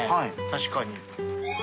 確かに。